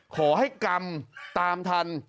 ขอให้กรรมตามทัน